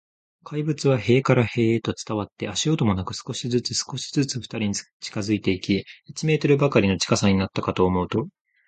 怪物は塀から塀へと伝わって、足音もなく、少しずつ、少しずつ、ふたりに近づいていき、一メートルばかりの近さになったかと思うと、